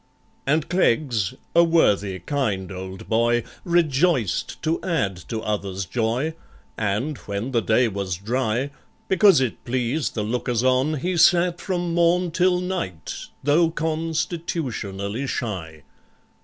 And CLEGGS—a worthy kind old boy— Rejoiced to add to others' joy, And, when the day was dry, Because it pleased the lookers on, He sat from morn till night—though con Stitutionally shy.